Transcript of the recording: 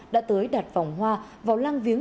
đã tới đặt vòng hoa vào lang viếng